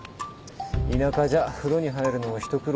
田舎じゃ風呂に入るのも一苦労だ。